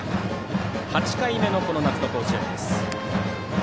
８回目の夏の甲子園です。